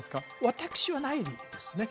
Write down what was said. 私はないですね